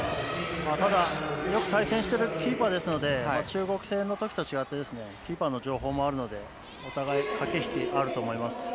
ただ、よく対戦しているキーパーですので中国戦のときと違ってキーパーの情報もあるのでお互い駆け引きあると思います。